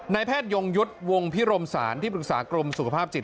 แพทยงยุทธ์วงพิรมศาลที่ปรึกษากรมสุขภาพจิต